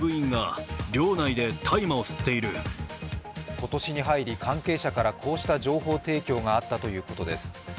今年に入り関係者からこうした情報提供があったということです。